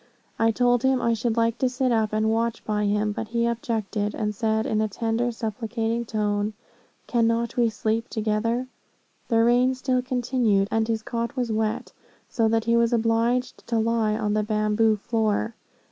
I told him, I should like to sit up and watch by him, but he objected, and said in a tender supplicating tone, 'Cannot we sleep together?' The rain still continued, and his cot was wet, so that he was obliged to lie on the bamboo floor.